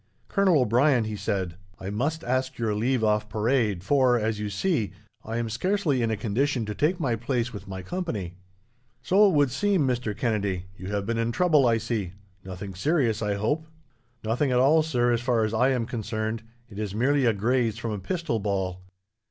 "Colonel O'Brien," he said, "I must ask your leave off parade, for, as you see, I am scarcely in a condition to take my place with my company." "So it would seem, Mr. Kennedy. You have been in trouble, I see. Nothing serious, I hope?" "Nothing at all, sir, as far as I am concerned. It is merely a graze from a pistol ball."